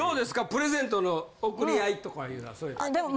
プレゼントの贈り合いとかいうのはそういうのは。